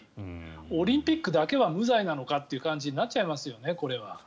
オリンピックだけは無罪なのかという感じになっちゃいますよね。